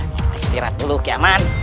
kita istirahat dulu kawan